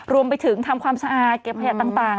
รวมไปถึงทำความสะอาดเก็บขยะต่าง